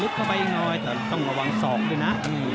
ลึกเข้าไปอีกหน่อยต้องระวังสอกด้วยนะ